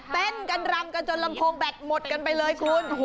เต้นกันรำกันจนลำโพงแบตหมดกันไปเลยคุณ